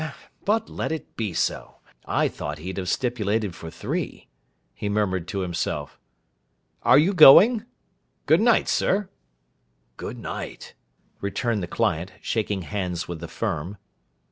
But let it be so. I thought he'd have stipulated for three,' he murmured to himself. 'Are you going? Good night, sir!' 'Good night!' returned the client, shaking hands with the Firm.